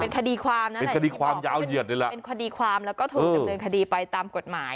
คดีความนะเป็นคดีความยาวเหยียดเลยแหละเป็นคดีความแล้วก็ถูกดำเนินคดีไปตามกฎหมาย